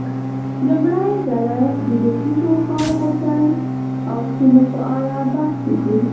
لومړۍ ډله دې د پیر روښان غورځنګ او سیمو په اړه بحث وکړي.